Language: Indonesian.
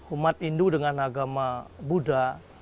umat hindu dengan agama buddha